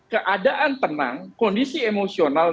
keadaan tenang kondisi emosional